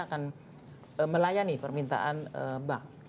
akan melayani permintaan bank